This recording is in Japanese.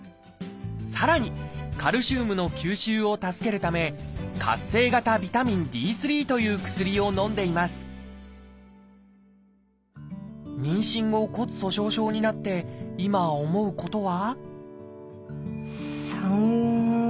さらにカルシウムの吸収を助けるため活性型ビタミンＤという薬をのんでいます妊娠後骨粗しょう症になって今思うことは？